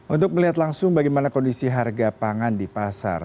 untuk melihat langsung bagaimana kondisi harga pangan di pasar